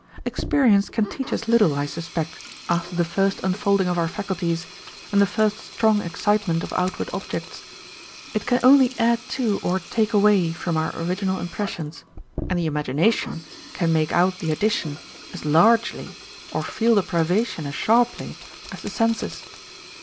â€¢ Experience can teach us little, I suspect, after the first unfolding of our faculties, and the first strong excitement of outward objects. It can only add to or take away from our original impressions, and the imagination can make out the addition as largely or feel the privation as sharply as the senses.